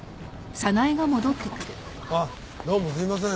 あっどうもすいません。